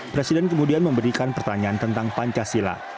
presiden kemudian memberikan pertanyaan tentang pancasila